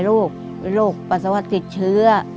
โรคปัสสาวะติดเชื้อ